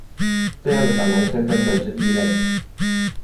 這樣的小男生跟本是異類